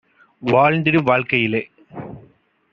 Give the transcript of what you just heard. வாழ்ந்திடும் வாழ்க்கையிலே